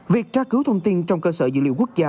việc tra cứu thông tin trong cơ sở dữ liệu quốc gia